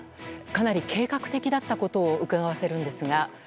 かなり計画的だったことをうかがわせるんですが。